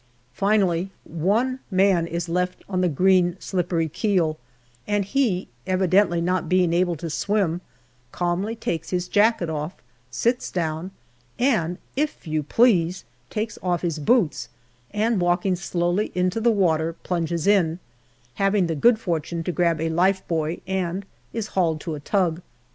Finally, one man is left on the green, slippery keel, and he, evidently not being able to swim, calmly takes his jacket off, sits down, and, if you please, takes off his boots, and walking slowly into the water, plunges in, having the good fortune to grab a lifebuoy, and is hauled to a tug.